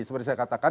seperti saya katakan